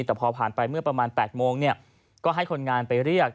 แต่พอผ่านไปเมื่อประมาณ๘โมงก็ให้คนงานไปเรียก